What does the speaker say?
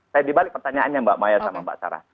saya dibalik pertanyaannya mbak maya sama mbak sarah